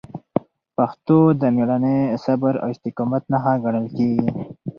پښتو د میړانې، صبر او استقامت نښه ګڼل کېږي.